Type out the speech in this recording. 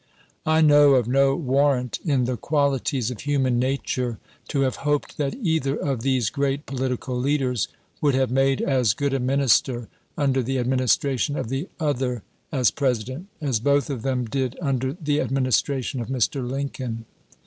I know of no warrant in the quahties of human nature to have hoped that either of these great political leaders would have made as good a minister under the Administration of the other as President, as both of them did under the Administration of Mr, Lincoln.